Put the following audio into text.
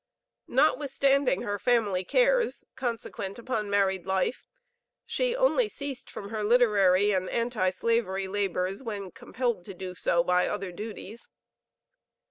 Notwithstanding her family cares, consequent upon married life, she only ceased from her literary and anti slavery labors, when compelled to do so by other duties.